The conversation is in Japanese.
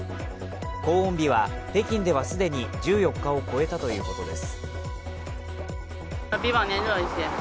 高温日は、北京では既に１４日を超えたということです。